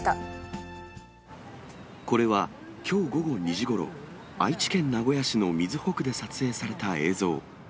これはきょう午後２時ごろ、愛知県名古屋市の瑞穂区で撮影された映像。